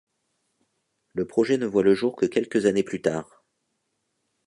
Le projet ne voit le jour que quelques années plus tard.